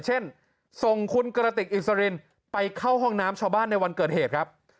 เช่นส่งคุณกระติกอิสรินไปเข้าห้องน้ำชาวบ้านในวันเกิดเหตุครับ